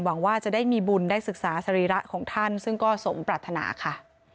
หวังว่าจะได้มีบุญได้ศึกษาสรีระของท่านซึ่งก็สมปรารถนาค่ะ